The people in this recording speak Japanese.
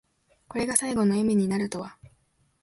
これが最期の笑みになるとは。